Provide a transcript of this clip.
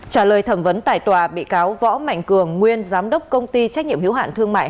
trả lời thẩm vấn tại tòa bị cáo võ mạnh cường nguyên giám đốc công ty trách nhiệm hiếu hạn thương mại